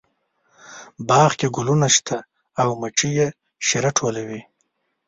باغ کې ګلونه شته او مچۍ یې شیره ټولوي